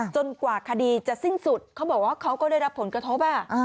กว่าคดีจะสิ้นสุดเขาบอกว่าเขาก็ได้รับผลกระทบ